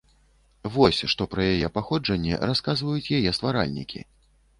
Вось што пра яе паходжанне расказваюць яе стваральнікі.